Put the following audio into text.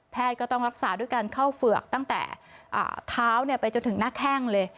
แพทย์ก็ต้องรักษาด้วยกันเข้าเฝือกตั้งแต่อ่าท้าวเนี้ยไปจนถึงหน้าแค่งเลย